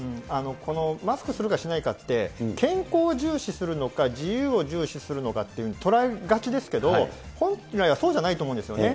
このマスクするかしないかって、健康を重視するのか、自由を重視するのかって捉えがちですけど、本来はそうじゃないと思うんですよね。